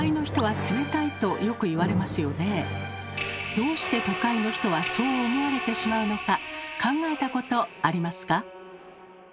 どうして都会の人はそう思われてしまうのか考えたことありますか？